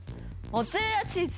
モッツァレラチーズ！